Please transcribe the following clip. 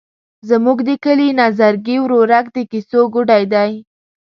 زموږ د کلي نظرګي ورورک د کیسو ګوډی دی.